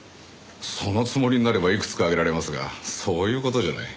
そのつもりになればいくつか挙げられますがそういう事じゃない。